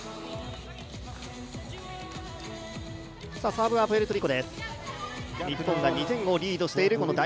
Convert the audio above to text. サーブはプエルトリコです。